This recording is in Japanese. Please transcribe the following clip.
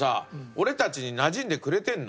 俺たちになじんでくれてるの？